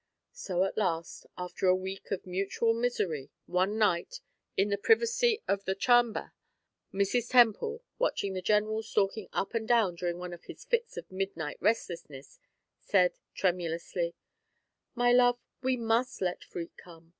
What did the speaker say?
So at last, after a week of mutual misery, one night, in the privacy of the "charmber," Mrs. Temple, watching the general stalking up and down during one of his fits of midnight restlessness, said, tremulously: "My love, we must let Freke come.